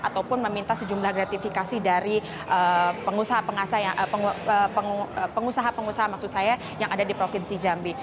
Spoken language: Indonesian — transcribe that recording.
ataupun meminta sejumlah gratifikasi dari pengusaha pengusaha maksud saya yang ada di provinsi jambi